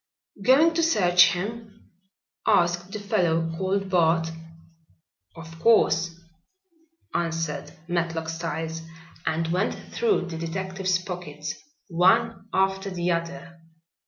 "Going to search him?" asked the fellow called Bart. "Of course," answered Matlock Styles and went through the detective's pockets one after the other.